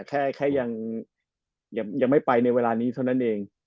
แต่ตัวยังไม่ไปอยู่วิธีนี้นั้นเอง